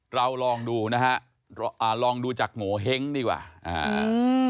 เราลองดูนะฮะอ่าลองดูจากโงเห้งดีกว่าอ่า